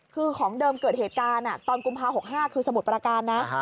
คือของเดิมเกิดเหตุการณ์ตอนกุมภา๖๕คือสมุทรประการนะ